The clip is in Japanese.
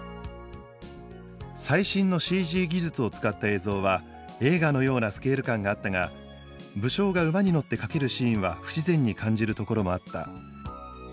「最新のＣＧ技術を使った映像は映画のようなスケール感があったが武将が馬に乗って駆けるシーンは不自然に感じるところもあった」。